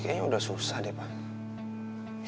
kayanya udah susah deh pak